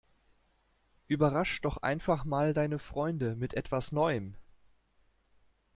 Überrasch' doch einfach mal deine Freunde mit etwas Neuem!